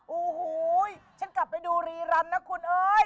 โอ้โหฉันกลับไปดูรีรันนะคุณเอ้ย